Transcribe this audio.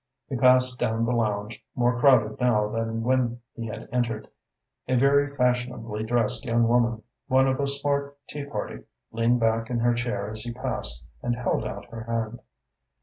He passed down the lounge, more crowded now than when he had entered. A very fashionably dressed young woman, one of a smart tea party, leaned back in her chair as he passed and held out her hand.